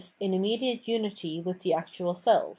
in immediate unity with the actual seh.